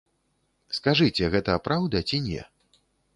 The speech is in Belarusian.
Скажыце, гэта праўда ці не?